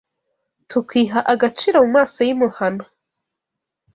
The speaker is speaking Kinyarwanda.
Tukiha agaciro Mu maso y’i Muhana!